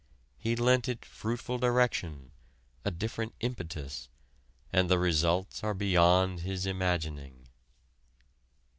He lent it fruitful direction, a different impetus, and the results are beyond his imagining.